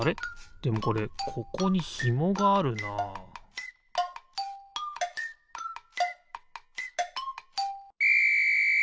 でもこれここにヒモがあるなピッ！